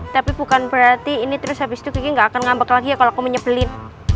tapi bukan berarti ini terus abis itu kiki gak akan ngambek lagi ya kalau kamu nyebelin